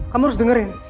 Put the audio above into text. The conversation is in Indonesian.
kamu harus dengerin